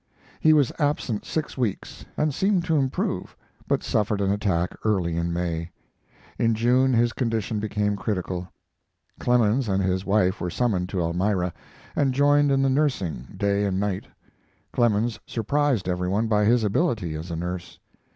He was absent six weeks and seemed to improve, but suffered an attack early in May; in June his condition became critical. Clemens and his wife were summoned to Elmira, and joined in the nursing, day and night. Clemens surprised every one by his ability as a nurse.